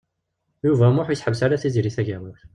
Yuba U Muḥ ur yessehbes ara Tiziri Tagawawt.